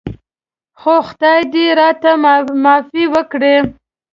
خو خدای دې راته معافي وکړي.